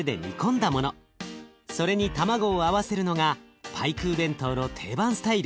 それに卵を合わせるのがパイクー弁当の定番スタイル。